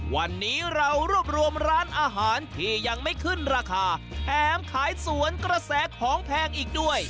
วันนี้เรารวบรวมร้านอาหารที่ยังไม่ขึ้นราคาแถมขายสวนกระแสของแพงอีกด้วย